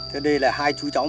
thế đây là hai chú cháu